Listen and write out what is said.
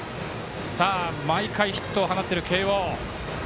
毎回ヒットを放っている慶応。